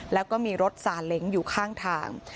แล้วก็มีรถสาเล้งอยู่ข้างทาง